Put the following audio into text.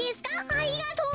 ありがとう。